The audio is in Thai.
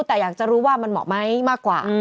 แต่อยากจะรู้ว่ามันเหมาะไหมมากกว่า